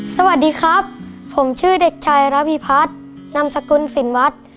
สวัสดีครับผมชื่อเด็กชายระพิพัฒนามสกุลสินวัฒน์